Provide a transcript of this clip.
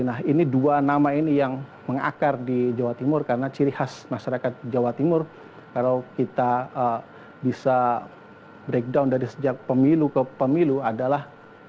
nah ini dua nama ini yang mengakar di jawa timur karena ciri khas masyarakat jawa timur kalau kita bisa breakdown dari sejak pemilu ke pemilu adalah